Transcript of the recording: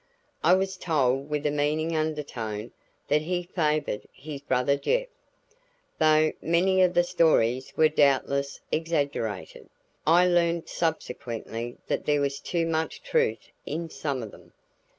I was told with a meaning undertone that he "favored" his brother Jeff. Though many of the stories were doubtless exaggerated, I learned subsequently that there was too much truth in some of them.